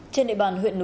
trên địa bàn huyện núi